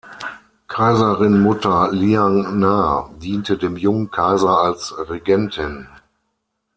Kaiserinmutter Liang Na diente dem jungen Kaiser als Regentin.